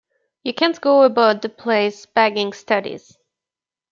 You can't go about the place bagging studies.